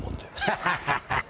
ハハハハ！